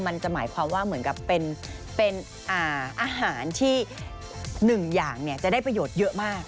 มันจะหมายความว่าเหมือนกับเป็นอาหารที่๑อย่างจะได้ประโยชน์เยอะมาก